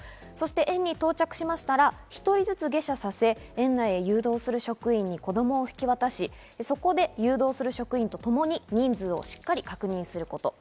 園に到着しましたら１人ずつ下車させ、園内へ誘導する職員に子供を引き渡し、そこで誘導する職員とともに人数をしっかり確認すること。